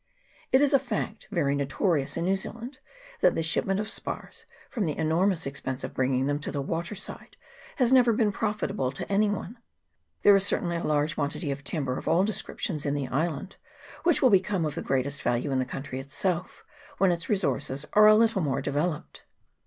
It is a fact very notorious in New Zealand, that the shipment of spars, from the enor mous expense of bringing them to the water side, has never been profitable to any one. There is cer tainly a large quantity of timber of all descriptions in the island, which will become of the greatest value in the country itself, when its resources are a little more developed.